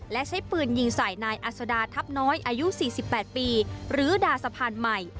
และใช้ปืนยิงใส่นายอัศดาทัพน้อยอายุ๔๘ปีหรือดาสะพานใหม่